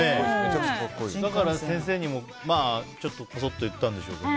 だから先生にもこそっと言ったんでしょうけど。